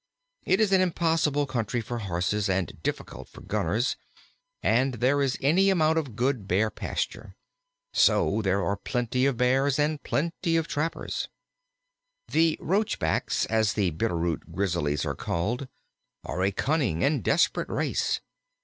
It is an impossible country for horses, and difficult for gunners, and there is any amount of good Bear pasture. So there are plenty of Bears and plenty of trappers. The Roachbacks, as the Bitter root Grizzlies are called, are a cunning and desperate race.